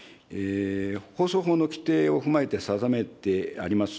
放送法の規定を踏まえて定めてあります